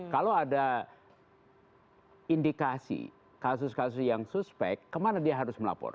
kalau ada indikasi kasus kasus yang suspek kemana dia harus melapor